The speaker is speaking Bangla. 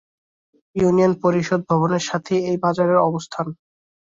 ইউনিয়ন পরিষদ ভবনের সাথেই এই বাজারের অবস্থান।